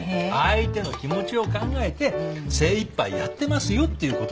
相手の気持ちを考えて精いっぱいやってますよっていうことなんですよ。